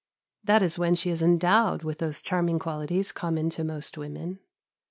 That is when she is endowed with those charming qualities common to most women.